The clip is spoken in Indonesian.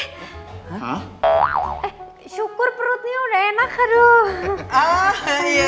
eh syukur perutnya udah enak aduh